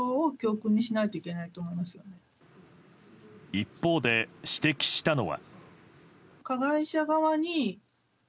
一方で指摘したのは。